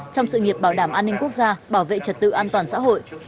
trong sự nghiệp bảo đảm an ninh quốc gia bảo vệ trật tự an toàn xã hội